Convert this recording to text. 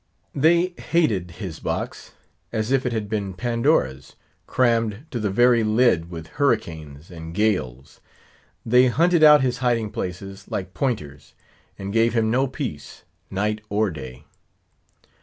They hated his box, as if it had been Pandora's, crammed to the very lid with hurricanes and gales. They hunted out his hiding places like pointers, and gave him no peace night or day.